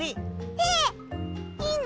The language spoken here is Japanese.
えっいいの！？